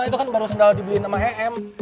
itu kan baru sendal dibeliin sama em